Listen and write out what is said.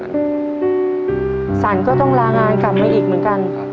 ฉันก็ต้องลางานกลับมาอีกเหมือนกัน